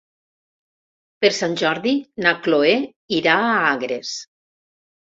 Per Sant Jordi na Chloé irà a Agres.